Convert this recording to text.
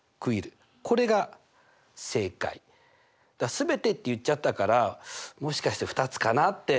「全て」って言っちゃったからもしかして２つかなって。